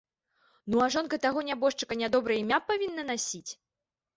Ну, а жонка таго нябожчыка нядобрае імя павінна насіць?